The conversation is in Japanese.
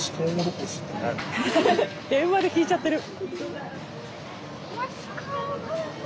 電話で聞いちゃってる。